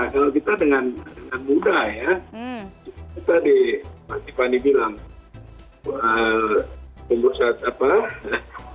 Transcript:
kalau kita dengan muda ya kita masih pandai bilang